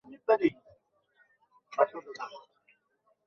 তুমি বলেছিলে, বিয়ের আগেই একটা মেয়ের দেখা পাব আমি।